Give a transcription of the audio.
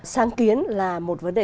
sáng kiến là một vấn đề